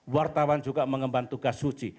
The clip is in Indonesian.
wartawan juga mengemban tugas suci